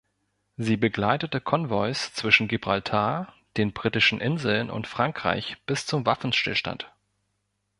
Sie begleitete Konvois zwischen Gibraltar, den Britischen Inseln und Frankreich bis zum Waffenstillstand.